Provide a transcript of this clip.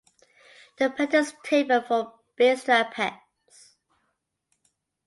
The petals taper from base to apex.